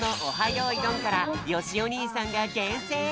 よいどん」からよしおにいさんがげんせん！